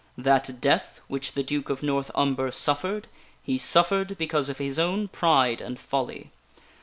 That death which the Duke of North Umber suffered, he suffered because of his own pride and folly.